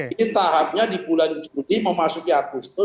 ini tahapnya di bulan juni memasuki agustus